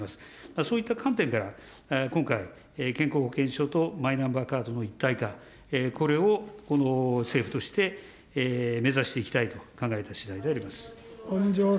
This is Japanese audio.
そういった観点から、今回、健康保険証とマイナンバーカードの一体化、これを政府として目指していきたいと考えたしだいであります。